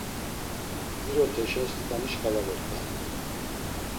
İroteşa sǩani şǩala vort̆are.